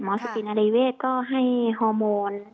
หมอสุตินารีเวทก็ให้ฮอร์โมน